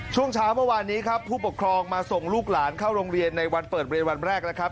ช่วงเช้าเมื่อวานนี้ครับผู้ปกครองมาส่งลูกหลานเข้าโรงเรียนในวันเปิดเรียนวันแรกนะครับ